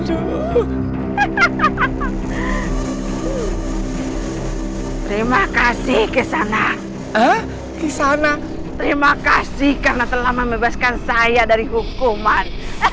terima kasih kesana terima kasih karena telah membebaskan saya dari hukuman